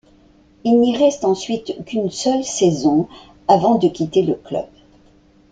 Il n'y reste ensuite qu'une seule saison avant de quitter le club.